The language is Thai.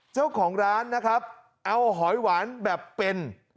เจ้าของร้านนะครับเอาหอยหวานแบบเป็น